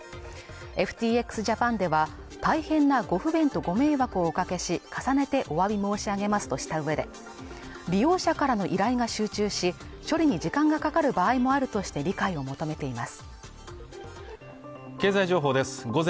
ＦＴＸジャパンでは、大変なご不便とご迷惑をおかけし、重ねてお詫び申し上げますとした上で、利用者からの依頼が集中し、処理に時間がかかる場合もあるとして理解を求めています。